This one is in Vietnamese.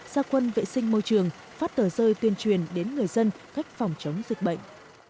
gia quân vệ sinh môi trường phát tờ rơi tuyên truyền đến người dân cách phòng chống dịch bệnh